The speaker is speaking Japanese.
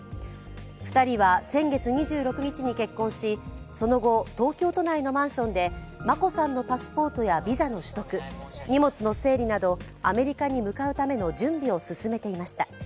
２人は先月２６日に結婚しその後東京都内のマンションで眞子さんのパスポートやビザの取得、荷物の整理などアメリカに向かうための準備を進めていました。